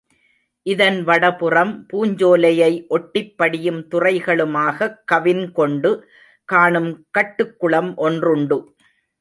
இதன் வடபுறம் பூஞ்சோலையை ஒட்டிப் படியும் துறைகளுமாகக் கவின்கொண்டு காணும் கட்டுக் குளம் ஒன்றுண்டு.